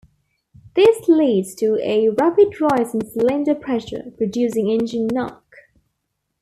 This leads to a rapid rise in cylinder pressure, producing engine "knock".